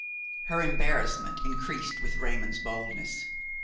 Her embarrassment increased with Raymon's boldness.